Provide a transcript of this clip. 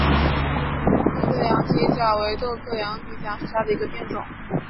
英德羊蹄甲为豆科羊蹄甲属下的一个变种。